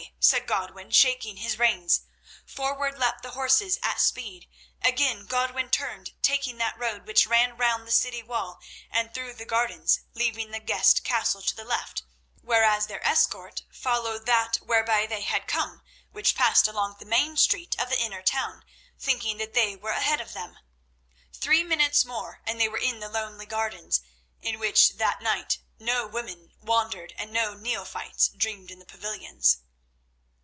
said Godwin, shaking his reins. Forward leapt the horses at speed. Again Godwin turned, taking that road which ran round the city wall and through the gardens, leaving the guest castle to the left, whereas their escort followed that whereby they had come, which passed along the main street of the inner town, thinking that they were ahead of them. Three minutes more and they were in the lonely gardens, in which that night no women wandered and no neophytes dreamed in the pavilions.